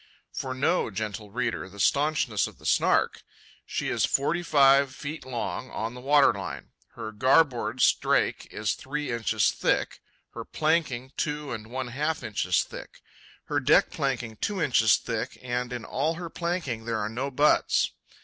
For know, gentle reader, the staunchness of the Snark. She is forty five feet long on the waterline. Her garboard strake is three inches thick; her planking two and one half inches thick; her deck planking two inches thick and in all her planking there are no butts.